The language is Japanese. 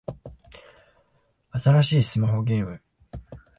新しいスマホゲーム